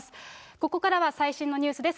ここからは最新のニュースです。